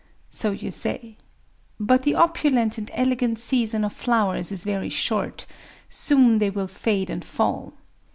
'... So you say. But the opulent and elegant season of flowers is very short: soon they will fade and fall.